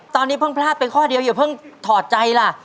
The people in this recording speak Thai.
ตอนนี้เพิ่งพลาดไปข้อเดียวอย่าเพิ่งถอดใจล่ะ